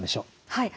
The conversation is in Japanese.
はい。